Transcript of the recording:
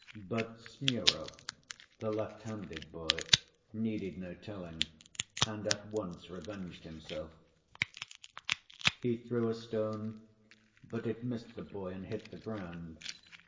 But Smurov, the left‐handed boy, needed no telling, and at once revenged himself; he threw a stone, but it missed the boy and hit the ground.